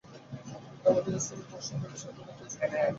কিন্তু, আমাদের স্থানীয় পশম ব্যবসা করে সে তার সাম্রাজ্য বানিয়েছে, স্যার।